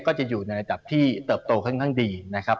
ก็จะอยู่ในระดับที่เติบโตค่อนข้างดีนะครับ